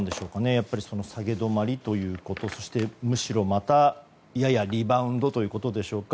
やっぱり下げ止まりということそして、むしろまたややリバウンドということでしょうか。